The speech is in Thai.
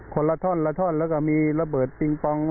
คนละท่อนแล้วก็มีระเบิดติ้งปอง